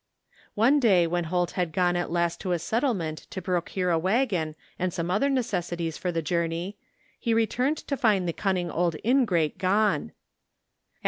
One day when Holt had gone at last to a settlement to procure a wagon and some other necessities for the journey, he returned to find the cimning old ingrate gone!